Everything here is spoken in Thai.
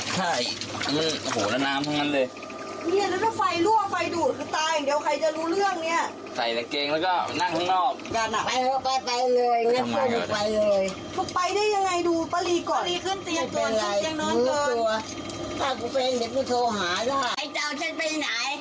เธอไปก้นอนก่อน